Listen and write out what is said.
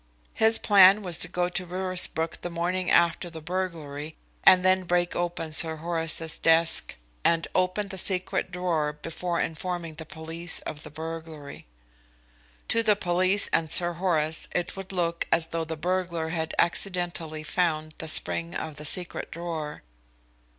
His plan was to go to Riversbrook the morning after the burglary and then break open Sir Horace's desk and open the secret drawer before informing the police of the burglary. To the police and Sir Horace it would look as though the burglar had accidentally found the spring of the secret drawer.